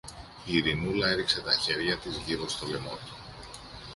Η Ειρηνούλα έριξε τα χέρια της γύρω στο λαιμό του.